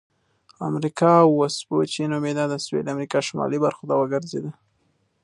امریکا وسپوچې نومیده د سویلي امریکا شمالي برخو ته وګرځېد.